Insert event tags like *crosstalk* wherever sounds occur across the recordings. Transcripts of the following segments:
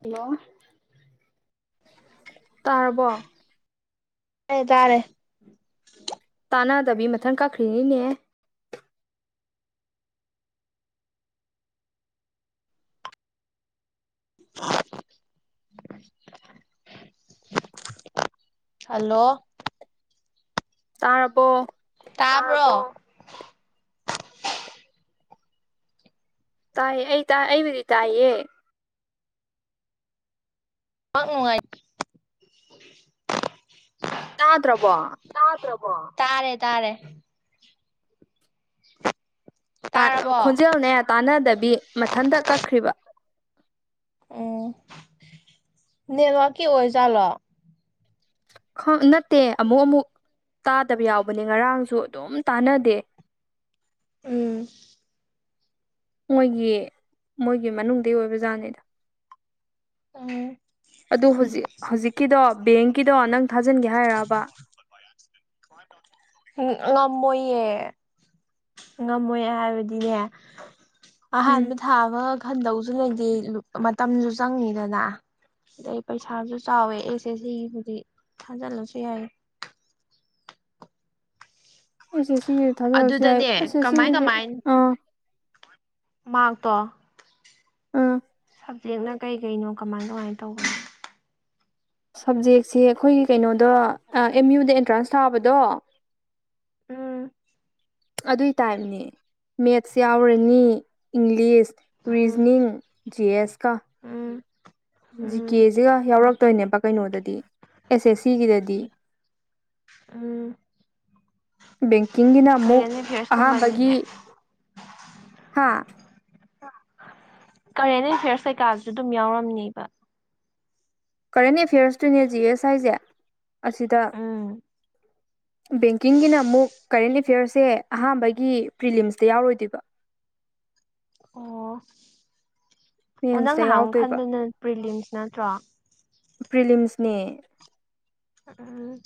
Hello ꯇꯥꯔꯕꯣ ꯇꯔꯦ ꯇꯥꯔꯦ ꯇꯥꯅꯗꯕꯤ ꯃꯊꯟ ꯀꯛꯈ꯭ꯔꯤꯅꯤꯅꯦ *unintelligible* ꯍꯜꯂꯣ ꯇꯥꯔꯕꯣ ꯇꯥꯕ꯭ꯔꯣ ꯇꯥꯏ ꯑꯩ ꯇꯥꯢ ꯑꯩꯕꯨꯗꯤ ꯇꯥꯏꯌꯦ ꯅꯦꯠꯋꯥꯛ ꯅꯨꯡꯉꯥꯏ ꯇꯥꯗ꯭ꯔꯕꯣ ꯗ꯭ꯔꯕꯣ ꯇꯥꯔꯦ ꯇꯥꯔꯦ *inaudible* ꯇꯥ ꯇꯥꯔꯕꯣ ꯈꯣꯟꯖꯦꯜꯅꯦ ꯇꯥꯟꯅꯗꯕꯤ ꯃꯊꯟꯇ ꯀꯛꯈ꯭ꯔꯤꯕ ꯎꯝ ꯅꯦꯠꯋꯥ꯭ꯔꯛꯀꯤ ꯑꯣꯏꯖꯥꯠꯂꯣ ꯈꯪ ꯅꯠꯇꯦ ꯑꯃꯨꯛ ꯑꯃꯨꯛ ꯇꯥꯗꯕ ꯌꯥꯎꯕꯅꯦ ꯉꯔꯥꯡꯁꯨ ꯑꯗꯨꯝ ꯇꯥꯅꯗꯦ ꯎꯝ ꯃꯣꯏꯒꯤ ꯃꯣꯏꯒꯤ ꯃꯅꯨꯡꯗ ꯑꯣꯏꯕ ꯖꯥꯠꯅꯤꯗ ꯎꯝ ꯑꯗꯨ ꯍꯧꯖꯤꯛ ꯍꯧꯖꯤꯛꯀꯤꯗꯣ ꯕꯦꯡꯀꯤꯗꯣ ꯅꯪ ꯊꯥꯖꯤꯟꯒꯦ ꯍꯥꯏꯔꯥꯕ? *unintelligible* ꯉꯝꯃꯣꯏꯌꯦ ꯉꯝꯃꯣꯏꯌꯦ ꯍꯥꯏꯕꯗꯤꯅꯦ ꯎꯝ ꯑꯍꯥꯟꯕ ꯊꯥꯕ ꯈꯟꯗꯧꯁꯨ ꯂꯩꯇꯦ ꯃꯇꯝꯁꯨ ꯆꯪꯅꯤꯗꯅ ꯑꯗꯩ ꯄꯩꯁꯥꯁꯨ ꯆꯥꯎꯋꯦ ꯑꯦꯁ ꯑꯦꯁ ꯁꯤꯒꯤ ꯕꯨꯗꯤ ꯊꯥꯖꯤꯜꯂꯁꯨ ꯌꯥꯏꯌꯦ꯫ ꯑꯦꯁ ꯑꯦꯁ ꯁꯤꯒꯤꯁꯦ ꯊꯥꯖꯜꯂꯁꯨ ꯌꯥꯏ ꯑꯗꯨꯗꯅꯦ ꯑꯦꯁ ꯑꯦꯁ ꯀꯃꯥꯏ ꯁꯤꯒꯤꯁꯦ ꯑꯥ ꯃꯥꯥꯛꯇꯣ ꯑꯥ ꯁꯕꯖꯦꯛꯅ ꯀꯩ ꯀꯩꯅꯣ ꯀꯃꯥꯏ ꯀꯃꯥꯏ ꯇꯧꯕꯅꯣ? ꯁꯕꯖꯦꯛꯁꯦ ꯑꯩꯈꯣꯏꯒꯤ ꯀꯩꯅꯣꯗꯣ ꯑ ꯑꯦꯝ ꯌꯨꯗ ꯑꯦꯟꯇ꯭ꯔꯥꯟꯁ ꯊꯥꯕꯗꯣ ꯎꯝ ꯑꯗꯨꯏ ꯇꯥꯏꯞꯅꯦ꯫ ꯃꯦꯠꯁ ꯌꯥꯎꯔꯅꯤ ꯏꯪꯂꯤꯁ ꯎꯝ ꯔꯤꯖꯅꯤꯡ ꯖꯤ ꯑꯦꯁꯀ꯫ ꯎꯝ ꯖꯤ ꯎꯝ ꯀꯦꯁꯤꯒ ꯌꯥꯎꯔꯛꯇꯣꯏꯅꯦꯕ ꯀꯩꯅꯣꯗꯗꯤ ꯑꯦꯁ ꯑꯦꯁ ꯁꯤꯒꯤꯗꯗꯤ꯫ ꯎꯝ ꯕꯦꯡꯀꯤꯡꯒꯤꯅ ꯑꯃꯨꯛ *unintelligible* ꯍꯥꯥ ꯀꯔꯦꯟ ꯑꯦꯐꯦꯌꯔꯁ ꯀꯩꯀꯥꯁꯨ ꯑꯗꯨꯝ ꯌꯥꯎꯔꯝꯅꯤꯕ꯫ ꯀꯔꯦꯟ ꯑꯦꯐꯤꯌꯔꯁꯇꯨꯅꯦ ꯖꯤ ꯑꯦꯁ ꯍꯥꯏꯁꯦ ꯑꯁꯤꯗ ꯎꯝ ꯕꯦꯡꯀꯤꯡꯒꯤꯅ ꯑꯃꯨꯛ ꯀꯔꯦꯟ ꯑꯦꯐꯤꯌꯔꯁꯦ ꯑꯍꯥꯟꯕꯒꯤ ꯄ꯭ꯔꯤꯂꯤꯝꯁꯇ ꯌꯥꯎꯔꯣꯏꯗꯨꯏꯕ꯫ ꯑꯣ ꯑꯣ ꯅꯪ ꯃꯦꯟꯁꯇ ꯅꯍꯥꯟꯃꯨꯛ ꯌꯥꯎꯗꯣꯏꯕ ꯈꯟꯕꯗꯨꯅ ꯄ꯭ꯔꯤꯂꯤꯝꯁ ꯅꯠꯇ꯭ꯔꯣ? ꯄ꯭ꯔꯤꯂꯤꯝꯁꯅꯦ꯫ ꯎꯝ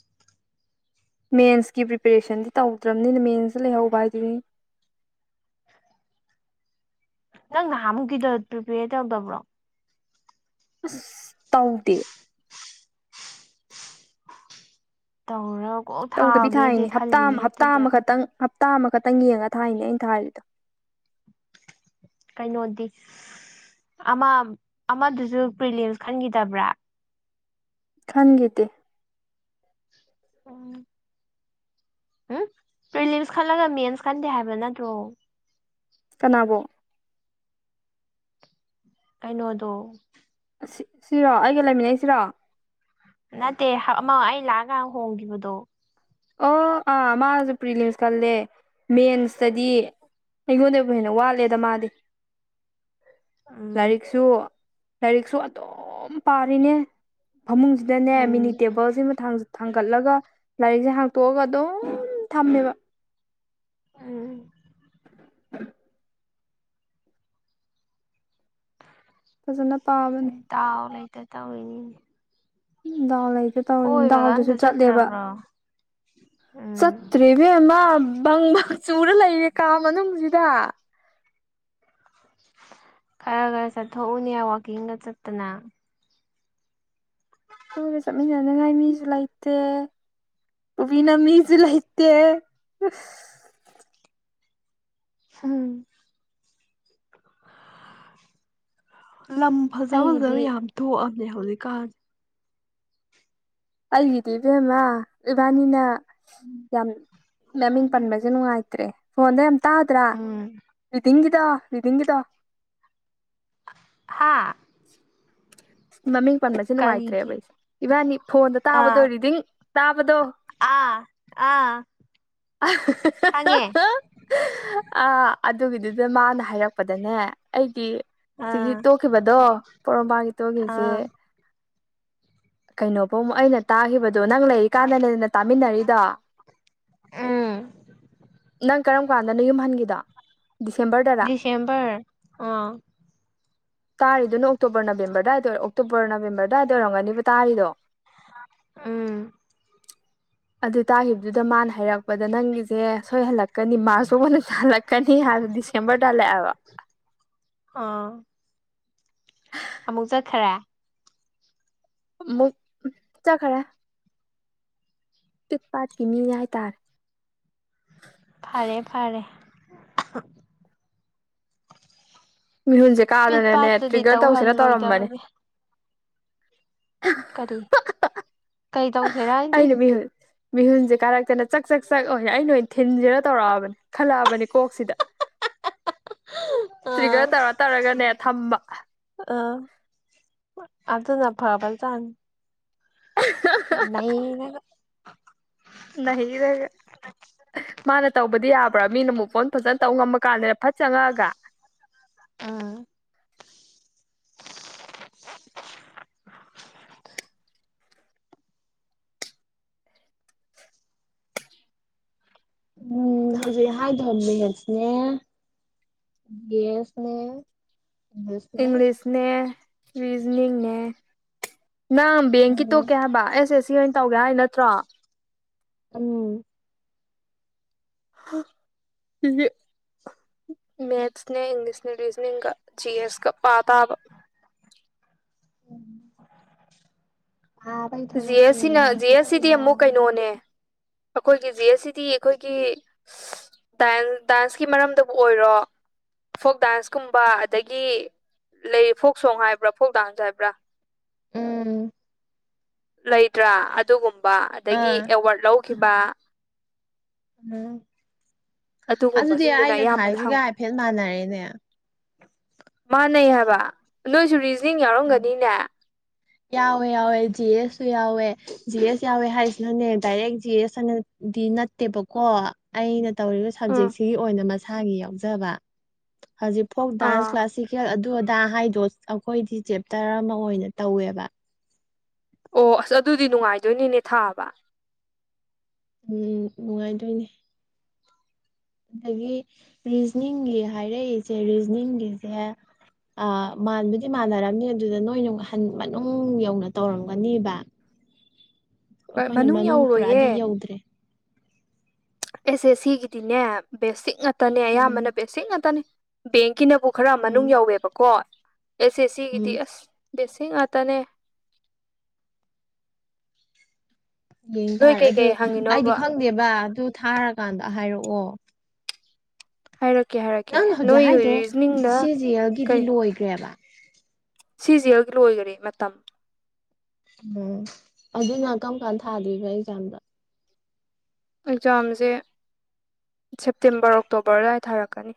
ꯃꯦꯟꯁꯀꯤ ꯄ꯭ꯔꯤꯄꯦꯔꯦꯁꯟꯗꯤ ꯇꯧꯗ꯭ꯔꯝꯅꯤꯅ ꯃꯦꯟꯁꯇ ꯂꯩꯍꯧꯕ ꯍꯥꯏꯗꯨꯅꯤꯅꯦ꯫ ꯅꯪ ꯅꯍꯥꯃꯨꯛꯀꯤꯗꯣ ꯄ꯭ꯔꯤꯄꯦꯔ ꯇꯧꯗꯕ꯭ꯔꯣ? ꯑꯁ ꯇꯧꯗꯦ꯫ ꯇꯧꯔꯞ ꯇꯧꯗꯕꯤ ꯊꯥꯏꯅꯤ ꯍꯞꯇꯥ ꯍꯞꯇꯥ ꯑꯃꯈꯛꯇꯪ ꯍꯞ ꯇꯥ ꯑꯃꯈꯛꯇꯪ ꯌꯦꯡꯉ ꯊꯥꯏꯅꯦ ꯑꯩꯅ ꯊꯥꯔꯤꯗꯣ꯫ ꯀꯩꯅꯣꯗꯤ ꯑꯃ ꯑꯃꯗꯨꯁꯨ ꯄ꯭ꯔꯤꯂꯤꯝꯁ ꯈꯟꯒꯤꯗꯕ꯭ꯔꯥ? ꯈꯟꯒꯤꯗꯦ ꯎꯝ ꯎꯝ ꯄ꯭ꯔꯤꯂꯤꯝꯁ ꯈꯜꯂꯒ ꯃꯦꯟꯁ ꯈꯟꯗꯦ ꯍꯥꯏꯕ ꯅꯠꯇ꯭ꯔꯣ? ꯀꯅꯥꯕꯣ? ꯀꯩꯅꯣꯗꯣ ꯁꯤ ꯁꯤꯔꯣ ꯑꯩꯒ ꯂꯩꯃꯤꯟꯅꯩꯁꯤꯔꯣ? ꯅꯠꯇꯦ ꯑꯃ ꯑꯩ ꯂꯥꯛꯑꯀꯥꯟ ꯍꯣꯡꯒꯤꯕꯗꯣ꯫ ꯑꯣ ꯑꯥ ꯃꯥꯁꯨ ꯄ꯭ꯔꯤꯂꯤꯝꯁ ꯈꯜꯂꯦ ꯃꯦꯟꯁꯇꯗꯤ ꯑꯩꯉꯣꯟꯗꯩꯕꯨ ꯍꯦꯟꯅ ꯋꯥꯠꯂꯦꯗ ꯃꯥꯗꯤ ꯎꯝ ꯂꯥꯏꯔꯤꯛꯁꯨ ꯂꯥꯏꯔꯤꯛꯁꯨ ꯑꯗꯨꯝ ꯄꯥꯔꯤꯅꯦ꯫ ꯐꯃꯨꯡꯁꯤꯗꯅꯦ ꯃꯤꯅꯤ ꯎꯝ ꯇꯦꯕꯜꯁꯤꯃ ꯊꯥꯡ ꯊꯥꯡꯀꯠꯂꯒ ꯂꯥꯏꯔꯤꯛꯁꯦ ꯍꯥꯡ ꯇꯣꯛꯑꯒ ꯑꯗꯨꯝ ꯊꯝꯃꯦꯕ ꯎꯝ ꯐꯖꯅ ꯄꯥꯕꯅꯦ *unintelligible* ꯗꯥꯎ ꯂꯩꯇ ꯇꯧꯔꯤꯅꯤ ꯀꯣꯏꯕꯒ ꯗꯥꯎꯗꯁꯨ ꯑꯝꯇ ꯆꯠꯂꯦꯕ ꯆꯠꯇ꯭ꯔꯕ꯭ꯔꯣ ꯎꯝ ꯆꯠꯇ꯭ꯔꯦ ꯏꯕꯦꯝꯃꯥ ꯕꯪ ꯆꯨꯔ ꯂꯩꯌꯦ ꯀꯥ ꯃꯅꯨꯡꯁꯤꯗ ꯈꯔ ꯈꯔ ꯆꯠꯊꯣꯛꯎꯅꯦ ꯋꯥꯛꯀꯤꯡꯒ ꯆꯠꯇꯅ ꯍꯅꯤꯡꯉꯥꯏ ꯃꯤꯁꯨ ꯂꯩꯇꯦ ꯄꯨꯕꯤꯅꯝ ꯃꯤꯁꯨ ꯂꯩꯇꯦ ꯎꯨꯏꯁ ꯍꯨꯝ ꯂꯝ ꯐꯖ ꯐꯖꯕ ꯑꯩꯒꯤꯗꯤ ꯌꯥꯝ ꯊꯣꯛꯑꯝꯅꯦ *unintelligible* ꯑꯩꯒꯤꯗꯤ ꯏꯕꯦꯝꯃ ꯏꯕꯥꯅꯤꯅ ꯌꯥꯝ ꯃꯃꯤꯡ ꯄꯟꯕꯁꯦ ꯅꯨꯡꯉꯥꯏꯇ꯭ꯔꯦ ꯐꯣꯟꯗ ꯌꯥꯝ ꯇꯥꯗ꯭ꯔꯥ ꯎꯝ ꯔꯤꯗꯤꯡꯒꯤꯗꯣ ꯔꯤꯗꯤꯡꯒꯤꯗꯣ ꯍꯥꯥ ꯃꯃꯤꯡ ꯄꯟꯕꯁꯦ ꯅꯨꯡꯉꯥꯏꯇ꯭ꯔꯦꯕ ꯑꯩꯁꯦ ꯏꯕꯥꯅꯤ ꯐꯣꯟꯗ ꯇꯥꯕꯗꯣ ꯑꯥ ꯔꯤꯗꯤꯡ ꯇꯥꯕꯗꯣ ꯑꯥ ꯑꯥ ꯈꯪꯉꯦ ꯍꯤꯍꯤꯍꯤ ꯑꯥ ꯑꯗꯨ ꯑꯗꯨꯒꯤꯗꯨꯗ ꯃꯥꯅ ꯍꯥꯏꯔꯛꯄꯗꯅꯦ ꯑꯩꯗꯤ ꯁꯤꯒꯤ ꯑꯥ ꯇꯣꯛꯈꯤꯕꯗꯣ ꯄꯣꯔꯣꯃꯄꯥꯒꯤ ꯇꯣꯛꯈꯤꯕꯁꯦ ꯑꯥ ꯀꯩꯅꯣꯐꯧ ꯑꯩꯅ ꯇꯥꯈꯤꯕꯗ ꯑꯗꯣ ꯅꯪ ꯂꯩꯔꯤꯀꯥꯟꯗꯅꯦꯅ ꯇꯥꯃꯤꯟꯅꯔꯤꯗꯣ ꯎꯝ ꯅꯪ ꯀꯔꯝ ꯀꯥꯟꯗꯅꯣ ꯌꯨꯝ ꯍꯟꯒꯤꯗꯣ ꯗꯤꯁꯦꯝꯕꯔ ꯑꯥ ꯇꯥꯔꯤꯗꯨꯅ ꯑꯣꯛꯇꯣꯕꯔ ꯅꯕꯦꯝꯕꯔ ꯑꯗꯨꯋꯥꯏꯗ ꯑꯣꯛꯇꯣꯕꯔ ꯅꯕꯦꯝꯕꯔ ꯑꯗꯨꯗꯥꯏꯗ ꯑꯣꯏꯔꯝꯒꯅꯤꯕ ꯇꯥꯔꯤꯗꯣ ꯎꯝ ꯑꯗꯨ ꯇꯥꯈꯤꯕꯗꯨꯗ ꯃꯥꯅ ꯍꯥꯏꯔꯛꯄꯗ ꯅꯪꯒꯤꯁꯦ ꯁꯣꯏ ꯍꯜꯂꯛꯀꯅꯤ ꯃꯥꯔꯁ ꯐꯥꯎꯕ ꯍꯜꯂꯛꯀꯅꯤ ꯍꯥꯏꯕ ꯗꯤꯁꯦꯝꯕꯔꯗ ꯍꯜꯂꯛꯑꯦꯕ ꯑꯥ ꯑꯃꯨꯛ ꯆꯠꯈꯔꯦ ꯑꯃꯨꯛ ꯆꯠꯈꯔꯦ ꯇꯤꯛ ꯄꯥꯠꯀꯤ ꯃꯤꯅꯤ ꯍꯥꯏ ꯇꯥꯔꯦ ꯐꯔꯦ ꯐꯔꯦ *inaudible* ꯃꯤꯍꯨꯟꯁꯦ ꯄꯤꯠ ꯀꯥꯗꯅꯅꯦ ꯄꯥꯠꯇꯨꯗꯤ ꯇ꯭ꯔꯤꯒꯔ ꯇꯧꯁꯤꯅ ꯇꯧꯔꯝꯕꯅꯦ ꯇꯧꯍꯜꯂꯣꯏꯗꯕꯅꯦ ꯀꯔꯤ ꯀꯩ ꯇꯧꯁꯦꯔꯥ ꯍꯥꯏꯗꯤ ꯑꯩꯅ ꯃꯤꯍꯨꯟ ꯃꯤꯍꯨꯟꯁꯦ ꯀꯥꯔꯛꯇꯦꯅ ꯆꯛ ꯆꯛ ꯑꯣꯢꯄ ꯑꯩꯩꯅꯑꯣꯏꯅ ꯊꯤꯟꯁꯤꯔ ꯇꯧꯔꯛꯑꯕꯅꯤ ꯈꯜꯂꯛꯑꯕꯅꯤ ꯀꯣꯛꯁꯤꯗ ꯑꯥ ꯇ꯭ꯔꯤꯒꯔ ꯇꯧꯔ ꯇꯥꯔꯒꯅꯦ ꯊꯝꯕ ꯑꯥ ꯑꯗꯨꯅ ꯐꯕ ꯖꯥꯠꯅꯤ *unintelligible* ꯃꯥꯅ ꯇꯧꯕꯗꯤ ꯌꯥꯕ꯭ꯔꯥ ꯃꯤꯅ ꯃꯨꯥꯐ ꯑꯣꯟ ꯐꯖꯅ ꯇꯧ ꯉꯝꯃ ꯀꯥꯟꯗꯅ ꯐꯠ ꯆꯪꯉꯛꯑꯒ ꯎꯝ ꯎꯝ ꯍꯧꯖꯤꯛ ꯍꯥꯏꯗꯦ ꯍꯥꯢꯕꯅꯦ ꯅꯤꯔꯖꯅꯦ ꯒꯦꯁꯅꯦ ꯏꯪꯂꯤꯁꯅꯦ ꯏꯪꯂꯤꯁꯅꯦ ꯔꯤꯖꯅꯤꯡꯅꯦ ꯅꯪ ꯕꯦꯡꯀꯤ ꯎꯝ ꯇꯣ ꯀꯦ ꯍꯥꯏꯕ ꯑꯦꯁ ꯑꯦꯁ ꯁꯤ ꯑꯣꯏꯅ ꯇꯧꯒꯦ ꯍꯥꯏ ꯅꯠꯇ꯭ꯔꯣ ꯎꯝ *unintelligible* ꯃꯦꯠꯅꯦ ꯏꯪꯂꯤꯁꯅꯦ ꯔꯤꯖꯅꯤꯡꯒ ꯒꯤꯑꯦꯁꯒ ꯄꯥꯇꯥꯥꯕ *inaudible* ꯎꯝ ꯖꯤ ꯑꯦꯁ ꯁꯤꯅ ꯖꯤ ꯑꯦꯁ ꯁꯤꯗꯤ ꯑꯃꯨꯛ ꯋꯥꯏ ꯀꯩꯅꯣꯅꯦ ꯑꯩꯈꯣꯏꯒꯤ ꯖꯤ ꯑꯦꯁ ꯁꯤꯗꯤ ꯑꯩꯈꯣꯏꯒꯤ ꯗꯥꯏꯟꯁ ꯗꯥꯟꯁꯀꯤ ꯃꯔꯝꯗꯕꯨ ꯑꯣꯏꯔꯣ ꯐꯣꯛ ꯗꯥꯟꯁꯀꯨꯝꯕ ꯑꯗꯒꯤ ꯂꯩ ꯐꯣꯛ ꯁꯣꯡ ꯍꯥꯏꯕ꯭ꯔꯥ ꯐꯣꯛ ꯗꯥꯟꯁ ꯍꯥꯏꯕ꯭ꯔꯥ ꯎꯝ ꯂꯩꯇ꯭ꯔꯥ ꯑꯗꯨꯒꯨꯝꯕ ꯑꯗꯒꯤ ꯑꯥ ꯑꯦꯋꯥꯔꯠ ꯂꯧꯈꯤꯕ ꯎꯝ ꯑꯗꯨꯗꯤ ꯑꯗꯨꯒꯨꯝꯕꯁꯤꯡꯗꯨꯅ ꯑꯩꯅ ꯑꯌꯥꯝꯕꯅ ꯊꯥꯏꯁꯤꯒ ꯍꯥꯏꯐꯦꯠ ꯃꯥꯟꯅꯔꯦꯅꯦ ꯃꯥꯥꯟꯅꯩ ꯍꯥꯏꯕ ꯅꯣꯏꯁꯨ ꯔꯤꯖꯅꯤꯡ ꯅꯤꯡ ꯎꯝ ꯌꯥꯎꯔꯝꯒꯅꯤꯅꯦ ꯁꯨ ꯌꯥꯎꯋꯦ ꯖꯤ ꯑꯦꯁ ꯌꯥꯎꯋꯦ ꯍꯥꯏꯔꯤꯁꯤꯅꯅꯦ ꯗꯥꯏꯔꯦꯛ ꯖꯤ ꯑꯦꯁ ꯍꯥꯏꯅ ꯗꯤ ꯅꯠꯇꯦꯕꯀꯣ ꯑꯩꯅ ꯑꯩꯅ ꯇꯧꯔꯤꯕ ꯎꯝ ꯁꯕꯖꯦꯛꯁꯤꯒꯤ ꯑꯣꯏꯅ ꯃꯁꯥꯒꯤ ꯌꯥꯎꯖꯕ ꯍꯧꯖꯤꯛ ꯐꯣꯛ ꯗꯥꯟꯁ ꯑꯥ ꯀ꯭ꯂꯥꯁꯤꯀꯦꯜ ꯑꯗꯨ ꯑꯗꯥ ꯍꯥꯏꯗꯣ ꯑꯩꯈꯣꯏꯗꯤ ꯆꯦꯞꯇꯔ ꯑꯃ ꯑꯣꯏꯅ ꯇꯧꯋꯦꯕ ꯑꯣ ꯑꯁ ꯑꯗꯨꯗꯤ ꯅꯨꯡꯉꯥꯏꯗꯣꯏꯅꯤꯅꯦ ꯊꯥꯕ ꯎꯝ ꯅꯨꯡꯉꯥꯏꯗꯣꯏꯅꯦ ꯑꯗꯒꯤ ꯔꯤꯖꯅꯤꯡꯒꯤ ꯍꯥꯏꯔꯛꯏꯁꯦ ꯔꯤꯖꯅꯤꯡꯒꯤꯁꯦ ꯑꯥ ꯃꯥꯟꯕꯗꯤ ꯃꯥꯟꯅꯔꯝꯅꯤ ꯑꯗꯨꯗ ꯅꯣꯏꯅ ꯍꯟ ꯃꯅꯨꯡ ꯌꯧꯅ ꯇꯧꯔꯝꯒꯅꯤꯕ ꯑꯩꯈꯣꯏꯅ ꯃꯅꯨꯡ ꯌꯧꯔꯣꯏꯌꯦ ꯄꯨꯔꯥꯗꯤ ꯌꯧꯗ꯭ꯔꯦ ꯑꯦꯁꯦ ꯑꯦꯁ ꯁꯤ ꯒꯤꯗꯤꯅꯦ ꯕꯦꯁꯤꯛ ꯉꯥꯛꯇꯅꯦ ꯎꯝ ꯑꯌꯥꯝꯕꯅ ꯕꯦꯁꯤꯛ ꯉꯥꯛꯇꯅꯦ ꯕꯦꯡ ꯀꯤꯅꯕꯨ ꯈꯔ ꯎꯝ ꯃꯅꯨꯡ ꯌꯧꯋꯦꯕꯀꯣ ꯑꯦꯁ ꯑꯦꯁ ꯁꯤ ꯎꯝ ꯒꯤꯗꯤ ꯑꯁ ꯕꯦꯠꯁꯤꯛ ꯉꯥꯛꯇꯅꯦ ꯅꯣꯏ ꯌꯦꯡꯇꯥꯔꯦ ꯑꯗꯨ ꯀꯩꯀꯩ ꯑꯩꯗꯤ ꯍꯪꯉꯤꯅꯣꯕ ꯈꯪꯗꯦꯕ ꯑꯗꯨ ꯊꯥꯔꯀꯥꯟꯗ ꯍꯥꯏꯔꯛꯑꯣ ꯍꯥꯏꯔꯛꯀꯦ ꯍꯥꯏꯔꯛꯀꯦ ꯅꯪꯅ ꯍꯧꯖꯤꯛ ꯅꯣꯏꯒꯤ ꯍꯥꯏꯗꯣ ꯔꯤꯖꯅꯤꯡꯗ ꯁꯤ ꯖꯤ ꯑꯦꯜꯒꯤꯗꯤ ꯀꯔꯤ ꯂꯣꯏꯈ꯭ꯔꯦꯕ ꯁꯤꯖꯦꯜꯒꯤ ꯂꯣꯏꯑꯔꯦ ꯃꯇꯝ ꯎꯝ ꯑꯗꯨꯅ ꯀꯔꯝ ꯀꯥꯟ ꯊꯥꯗꯣꯏꯕ ꯑꯦꯛꯖꯥꯝꯗꯣ ꯑꯦꯛꯖꯥꯝꯖꯦ ꯁꯦꯞꯇꯦꯝꯕꯔ ꯑꯣꯛꯇꯣꯕꯔ ꯑꯗꯨꯋꯥꯏ ꯊꯥꯔꯛꯀꯅꯤ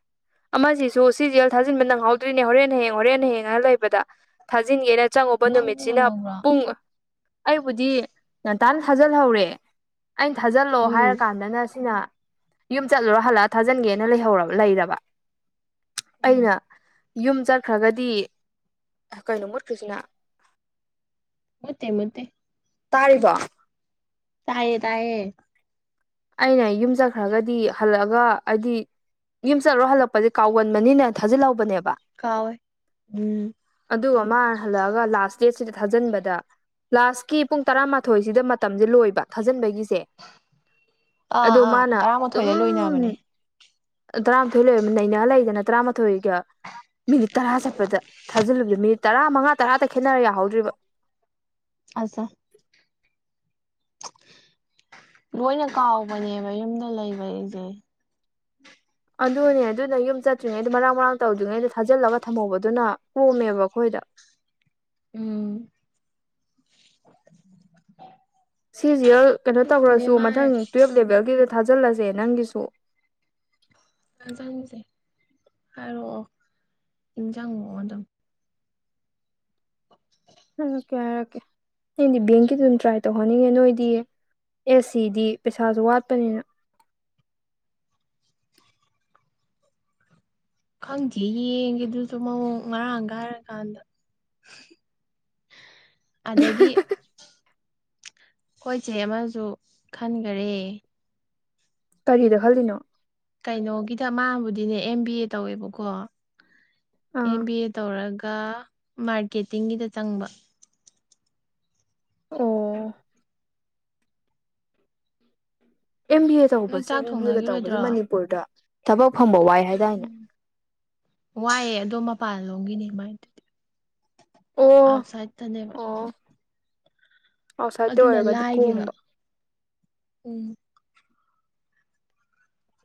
ꯑꯃꯁꯤꯁꯨ ꯁꯤꯁꯦꯜ ꯊꯥꯖꯤꯟꯕ ꯅꯪꯍꯧꯗ꯭ꯔꯤꯅꯦ ꯍꯣꯔꯦꯟ ꯍꯌꯦꯡ ꯍꯣꯔꯦꯟ ꯍꯌꯦꯡ ꯍꯥꯏꯅ ꯂꯩꯕꯗ ꯊꯥꯖꯤꯟꯒꯦꯅ ꯊꯥꯖꯤꯟꯒꯝꯅ ꯆꯪꯉꯨꯕ ꯅꯪꯅꯤꯅ ꯅꯨꯃꯤꯠꯁꯤꯅ ꯉꯧꯕ꯭ꯔꯣ ꯄꯨꯡ ꯑꯩꯕꯨꯗꯤ ꯉꯟꯇꯥꯅ ꯊꯥꯖꯤꯜꯍꯧꯔꯦ ꯑꯩꯅ ꯊꯥꯖꯤꯜꯂꯑꯣ ꯎꯝ ꯍꯥꯏꯔ ꯀꯥꯟꯗꯅ ꯁꯤꯅ ꯌꯨꯝ ꯆꯠꯂꯨꯔꯣ ꯍꯜꯂꯛꯑ ꯊꯥꯖꯤꯟꯒꯦꯅ ꯂꯩꯍꯧꯔꯕ ꯂꯩꯔꯕ ꯑꯩꯅ ꯌꯨꯝ ꯆꯠꯈ꯭ꯔꯒꯗꯤ ꯀꯩꯅꯣ ꯃꯨꯠꯈ꯭ꯔꯤꯁꯤꯅ ꯃꯨꯠꯇꯦ ꯃꯨꯠꯇꯦ ꯇꯥꯔꯤꯕꯣ ꯇꯥꯏꯌꯦ ꯇꯥꯢꯌꯦ ꯑꯩꯅ ꯌꯨꯝ ꯆꯠꯈ꯭ꯔꯒꯗꯤ ꯍꯜꯂꯛꯑꯒ ꯍꯥꯏꯗꯤ ꯌꯨꯝ ꯆꯠꯂꯣ ꯍꯜꯂꯛꯄꯁꯦ ꯀꯥꯎꯒꯟꯕꯅꯤꯅꯦ ꯊꯥꯖꯤꯜꯍꯧꯕꯅꯦꯕ ꯀꯥꯎꯋꯦ ꯎꯝ ꯑꯗꯨꯒ ꯃꯥ ꯍꯜꯂꯛꯑꯒ ꯂꯥꯁ ꯗꯦꯠꯁꯤꯗ ꯊꯥꯖꯤꯟꯕꯗ ꯂꯥꯁꯀꯤ ꯄꯨꯡ ꯇꯔꯥꯃꯥꯊꯣꯏꯁꯤꯗ ꯃꯇꯝꯖꯦ ꯂꯣꯏꯕ ꯊꯥꯖꯟꯕꯒꯤ ꯁꯦ ꯑꯥ ꯑꯗꯨ ꯑꯥ ꯃꯥꯅ ꯇꯔꯥꯃꯥꯊꯣꯏꯗ ꯑꯗꯨꯝ ꯂꯣꯏꯅꯕꯅꯦ ꯇꯔꯥꯃꯥꯊꯣꯏ ꯂꯣꯏꯕ ꯅꯩꯅ ꯂꯩ ꯅ ꯇ꯭ꯔꯥꯃꯊꯣꯏꯒ ꯃꯤꯅꯤꯠ ꯇꯔꯥ ꯆꯠꯄꯗ ꯊꯥꯖꯤꯜꯂꯨꯕꯗ ꯃꯤꯅꯤꯠ ꯇꯔꯥ ꯃꯉꯥ ꯇꯔꯥꯗ ꯈꯦꯠꯅꯔ ꯌꯥꯍꯧꯗ꯭ꯔꯤꯕ ꯃꯣꯏꯅ ꯀꯥꯎꯕꯅꯦꯕ ꯌꯨꯝꯗ ꯂꯩꯕ ꯑꯩꯖꯦ ꯑꯗꯨꯅꯦ ꯑꯗꯨꯅ ꯌꯨꯝ ꯆꯠꯇ꯭ꯔꯤꯉꯩꯗ ꯃꯔꯥꯡ ꯃꯔꯥꯡ ꯇꯧꯗ꯭ꯔꯤꯉꯩꯗ ꯊꯥꯖꯤꯜꯂꯒ ꯊꯝꯍꯧꯕꯗꯨꯅ ꯀꯣꯝꯃꯦꯕ ꯑꯩꯈꯣꯏꯗ *inaudible* ꯎꯝ ꯁꯤꯖꯤꯑꯦꯜ ꯀꯩꯅꯣ ꯅꯦ ꯇꯧꯒ꯭ꯔꯁꯨ ꯃꯥꯥꯏ ꯃꯊꯪ ꯇꯨꯋꯜꯞ ꯂꯦꯚꯦꯜꯒꯤꯗ ꯊꯥꯖꯤꯜꯂꯁꯦ ꯅꯪꯒꯤꯁꯨ ꯊꯥꯖꯜꯁꯦ ꯍꯥꯏꯔꯛꯑꯣ ꯅꯤꯡꯖꯪꯉꯛꯑꯣ ꯑꯗꯨꯝ ꯍꯥꯏꯔꯛꯀꯦ ꯍꯥꯏꯔꯛꯀꯦ ꯑꯩꯗꯤ ꯕꯦꯡꯒꯤ ꯑꯗꯨꯝ ꯇ꯭ꯔꯥꯏ ꯇꯧꯍꯟꯅꯤꯡꯉꯦ ꯅꯣꯏꯗꯤ ꯑꯦꯁ ꯁꯤꯗꯤ ꯄꯩꯁꯥꯁꯨ ꯋꯥꯠꯄꯅꯤꯅ ꯈꯪꯗꯦ ꯌꯦꯡꯒꯦ ꯑꯗꯨꯖꯨ ꯃꯑꯣꯡ ꯃꯔꯥꯡ ꯀꯥꯏꯔꯀꯥꯟꯗ *inaudible* ꯑꯗꯒꯤ ꯈꯣꯏꯆꯦ ꯑꯃꯖꯨ ꯈꯟꯒꯔꯦ ꯀꯔꯤꯗ ꯈꯜꯂꯤꯅꯣ ꯀꯩꯅꯣꯒꯤꯗ ꯃꯥꯕꯨꯗꯤꯅꯦ ꯑꯦꯝ ꯕꯤ ꯑꯦ ꯇꯧꯋꯦꯕꯀꯣ ꯑꯦꯝ ꯑꯥ ꯕꯤ ꯑꯦ ꯇꯧꯔꯒ ꯃꯥꯔꯀꯦꯇꯤꯡꯒꯤꯗ ꯆꯪꯕ ꯑꯣ ꯑꯦꯝ ꯕꯤ ꯑꯦ ꯅꯣꯏ ꯇꯧꯕꯁꯤ ꯆꯥꯛ ꯕꯤ ꯕꯤ ꯑꯦꯒ ꯇꯧꯕꯁꯤ ꯊꯣꯡꯅꯈꯤꯔꯣꯏꯗ꯭ꯔꯣ ꯃꯅꯤꯄꯨꯔꯗ ꯊꯕꯛ ꯐꯪꯕ ꯋꯥꯏ ꯍꯥꯏꯗꯥꯏꯅꯦ ꯎꯝ ꯋꯥꯏꯑꯦ ꯑꯗꯣ ꯃꯄꯥꯜ ꯂꯣꯝꯒꯤꯅꯤ ꯃꯥꯏ ꯑꯗꯨꯗꯤ ꯑꯣ ꯑꯥꯎꯠꯁꯥꯏꯠꯇꯅꯦꯕꯥ ꯑꯣ ꯑꯥꯎꯠꯁꯥꯏꯗꯠꯇ ꯑꯗꯨꯅ ꯑꯣꯏꯔꯒꯗꯤ ꯂꯥꯏꯒꯤꯕ ꯀꯣꯝꯕ ꯎꯝ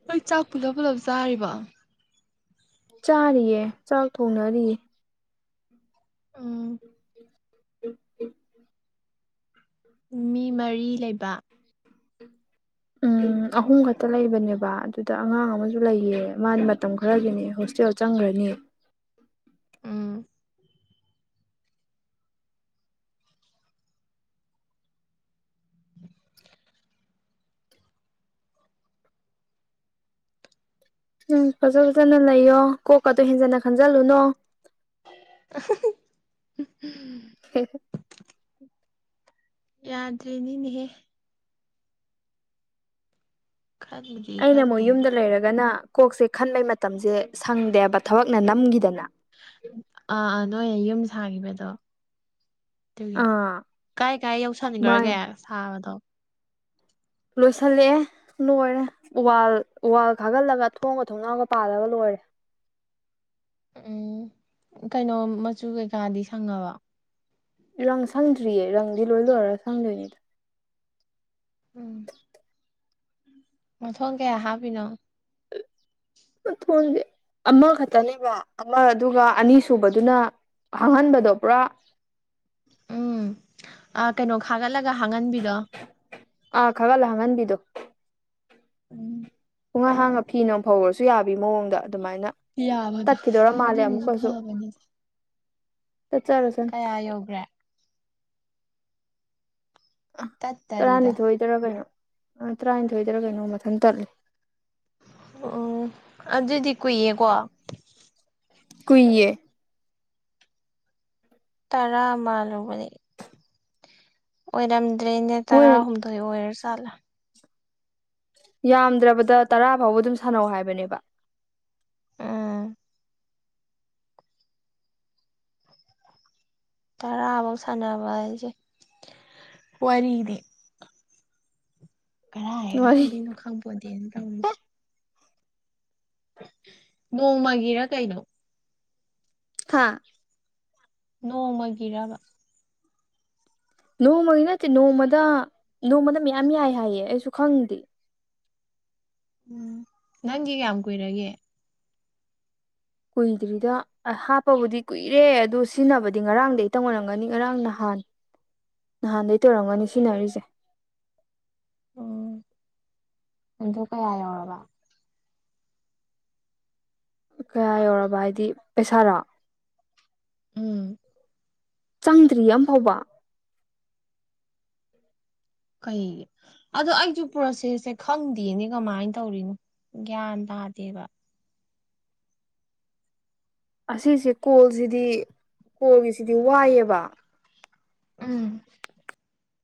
ꯅꯣꯏ ꯆꯥꯛ ꯄꯨꯂꯞ ꯄꯨꯂꯞ ꯆꯥꯔꯤꯕꯣ ꯆꯥꯔꯤꯌꯦ ꯆꯥꯛ ꯊꯣꯡꯅꯔꯤꯌꯦ ꯎꯝ *inaudible* ꯃꯤ ꯃꯔꯤ ꯂꯩꯕ *inaudible* ꯎꯝ ꯑꯍꯨꯝ ꯈꯛꯇ ꯂꯩꯕꯅꯦꯕ ꯑꯗꯨꯗ ꯑꯉꯥꯡ ꯑꯃꯁꯨ ꯂꯩꯌꯦ ꯃꯥ ꯃꯇꯝ ꯈꯔꯒꯤꯅꯦ ꯍꯣꯁ ꯇꯦꯜ ꯆꯪꯒ꯭ꯔꯅꯤ ꯎꯝ ꯎꯝ ꯐꯖ ꯐꯖꯅ ꯂꯩꯌꯣ ꯀꯣꯛ ꯀꯗꯣ ꯍꯦꯟꯖꯟꯅ ꯈꯟꯖꯜꯂꯨꯅꯣ *unintelligible* ꯍꯦ ꯍꯦ ꯌꯥꯗ꯭ꯔꯤꯅꯤꯅꯦꯍꯦ ꯈꯟꯕꯨꯗꯤ ꯑꯩꯅ ꯑꯃꯨꯛ ꯈꯟꯗꯦꯕꯨ ꯌꯨꯝꯗ ꯂꯩꯔꯒꯅ ꯀꯣꯛꯁꯦ ꯈꯟꯕꯩ ꯃꯇꯝꯁꯦ ꯁꯪꯗꯦꯕ ꯊꯕꯛꯅ ꯅꯝꯒꯤꯗꯅ ꯅꯣꯏ ꯌꯨꯝ ꯁꯥꯒꯤꯕꯩꯗꯣ ꯑꯗꯨꯒꯤꯅꯤ ꯑꯥ ꯀꯥꯏ ꯀꯥꯏ ꯃꯥꯅꯦ ꯌꯧꯁꯟꯒ꯭ꯔꯒꯦ ꯁꯥꯕꯗꯣ ꯂꯣꯏꯁꯤꯜꯂꯛꯑꯦ ꯂꯣꯏꯔꯦ ꯋꯥꯜ ꯋꯥꯜ ꯈꯥꯒꯠꯂꯒ ꯊꯣꯡꯒ ꯊꯣꯡꯅꯥꯎꯒ ꯄꯥꯜꯂꯒ ꯂꯣꯏꯔꯦ *inaudible* ꯎꯝ ꯀꯩꯅꯣ ꯃꯆꯨ ꯀꯩꯀꯥꯗꯤ ꯁꯪꯉꯕꯣ ꯔꯪ ꯁꯪꯗ꯭ꯔꯤꯌꯦ ꯔꯪꯗꯤ ꯂꯣꯏ ꯂꯣꯏꯔꯒ ꯁꯪꯗꯣꯏꯅꯤꯗ ꯎꯝ ꯃꯊꯣꯡ ꯀꯌꯥ ꯍꯥꯞꯄꯤꯅꯣ? *inaudible* ꯃꯊꯣꯟꯁꯦ ꯑꯃꯈ ꯇꯅꯦꯕ ꯑꯃ ꯑꯗꯨꯒ ꯑꯅꯤ ꯁꯨꯕꯗꯨꯅ ꯑꯍꯥꯟꯕꯗꯣ ꯄꯨꯔꯥ ꯎꯝ ꯑꯥ ꯀꯩꯅꯣ ꯈꯥꯒꯠꯂꯛ ꯑꯥ ꯈꯔꯜ ꯍꯥꯡꯍꯟꯕꯤꯗꯣ꯫ ꯎꯝ ꯄꯨꯍꯥꯡ ꯍꯥꯡꯉ ꯐꯤꯅ ꯐꯧꯔꯁꯨ ꯌꯥꯕꯤ ꯃꯑꯣꯡꯗ ꯗꯨꯃꯥꯏꯅ ꯌꯥꯕꯗꯣ ꯇꯠꯈꯤꯗꯧꯔ ꯃꯥꯜꯂꯦ ꯑꯗꯨꯅꯁꯨ ꯑꯃꯨꯛꯀꯁꯨ ꯐꯕꯅꯤ ꯇꯠꯆꯔꯁꯅꯨ ꯀꯌꯥ ꯌꯧꯒ꯭ꯔꯦ? *inaudible* ꯇꯠꯇꯔꯤꯗ ꯇꯔꯥꯅꯤꯊꯣꯏꯗꯔ ꯀꯩꯅꯣ ꯑ ꯇꯔꯥꯅꯤꯊꯣꯏꯗꯔ ꯀꯩꯅꯣ ꯃꯊꯟ ꯇꯠꯂꯦ꯫ ꯑꯣ ꯑꯗꯨꯗꯤ ꯀꯨꯏꯌꯦꯀꯣ ꯀꯨꯏꯌꯦ ꯇꯔꯥ ꯃꯥꯂꯨꯕꯅꯤ ꯑꯣꯏꯔꯝ ꯗ꯭ꯔꯦꯅꯦ ꯇꯔꯥ ꯃꯣꯏꯅ ꯍꯨꯝꯗꯣꯏ ꯑꯣꯏꯔ ꯖꯥꯠꯂ? ꯌꯥꯝꯗ꯭ꯔꯕꯗ ꯇꯔꯥ ꯐꯥꯎꯕ ꯑꯗꯨꯝ ꯁꯥꯟꯅꯧ ꯍꯥꯏꯕꯅꯦꯕ꯫ ꯎꯝ ꯇꯔꯥꯕꯧ ꯁꯥꯟꯅꯕ ꯍꯥꯏꯁꯦ ꯋꯥꯔꯤꯗꯤ ꯀꯔꯥꯏ ꯋꯥꯔꯤ ꯀꯗꯥꯏꯗꯩꯅꯣ ꯈꯪꯄꯣꯠꯇꯦ ꯇꯧꯔꯤꯁꯦ꯫ ꯅꯣꯡꯃꯒꯤꯔ ꯀꯩꯩꯅꯣ? ꯍꯥꯥ ꯅꯣꯡꯃꯒꯤꯔꯕ? ꯅꯣꯡꯃꯒꯤ ꯅꯠꯇꯦ ꯅꯣꯡꯃꯗ ꯅꯣꯡꯃꯗ ꯃꯌꯥꯝ ꯌꯥꯏ ꯍꯥꯏꯌꯦ ꯑꯩꯁꯨ ꯈꯪꯗꯦ꯫ ꯎꯝ ꯅꯪꯒꯤ ꯀꯌꯥꯝ ꯀꯨꯏꯔꯒꯦ? ꯀꯨꯏꯗ꯭ꯔꯤꯗ ꯍꯥꯞꯄꯕꯨꯗꯤ ꯀꯨꯏꯔꯦ ꯑꯗꯨ ꯁꯤꯖꯤꯟꯅꯕꯗꯤ ꯉꯔꯥꯡꯗꯩ ꯇꯪ ꯑꯣꯏꯔꯝꯒꯅꯤ ꯉꯔꯥꯡꯅ ꯍꯥꯞ *unintelligible* ꯅꯍꯥꯟꯗꯩ ꯇꯧꯔꯝꯒꯅꯤ ꯁꯤꯟꯅꯔꯤꯁꯦ꯫ ꯎꯝ ꯑꯗꯨ ꯀꯌꯥ ꯌꯧꯔꯕ? ꯀꯌꯥ ꯌꯧꯔꯕ ꯍꯥꯏꯗꯤ ꯄꯩꯁꯥꯔꯣ? ꯎꯝ ꯆꯪꯗ꯭ꯔꯤ ꯑꯝ ꯐꯥꯎꯕ꯫ ꯀꯩꯒꯤ ꯑꯗꯣ ꯑꯩꯁꯨ ꯄ꯭ꯔꯣꯁꯦꯁꯁꯦ ꯈꯪꯗꯦꯅꯦ ꯀꯃꯥꯏꯅ ꯇꯧꯔꯤꯅꯣ꯫ ꯒ꯭ꯌꯥꯟ ꯇꯥꯗꯦꯕ꯫ ꯑꯁꯤꯁꯦ ꯀꯣꯜꯁꯤꯗꯤ ꯀꯣꯜꯒꯤꯁꯤꯗꯤ ꯋꯥꯏꯑꯦꯕ꯫ ꯎꯝ